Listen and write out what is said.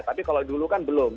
tapi kalau dulu kan belum